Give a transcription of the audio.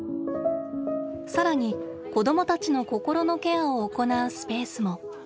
更に子どもたちのこころのケアをおこなうスペースも。